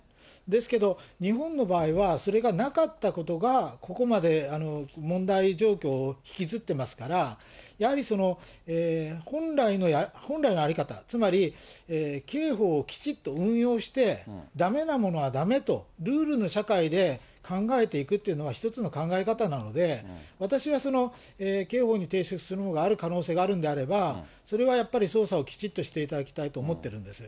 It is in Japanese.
ですけど、日本の場合はそれがなかったことが、ここまで問題状況を引きずってますから、やはり本来の在り方、つまり、刑法をきちっと運用して、だめなものはだめと、ルールの社会で考えていくというのは、一つの考え方なので、私はその刑法に抵触するものがある可能性があるんであれば、それはやっぱり、捜査をきちっとしていただきたいと思ってるんです。